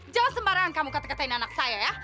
jangan sembarangan kamu kate katein anak saya ya